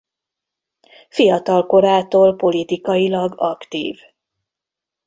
Fiatal korától politikailag aktív.